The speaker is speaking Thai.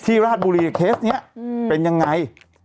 ที่ราชบุรีเคสนี้เป็นยังไง